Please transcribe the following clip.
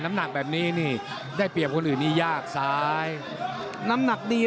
น้ำหนักแบบนี้นี่ได้เปรียบคนอื่นนี่ยากซ้ายน้ำหนักดี